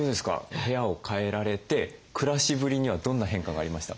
部屋を変えられて暮らしぶりにはどんな変化がありましたか？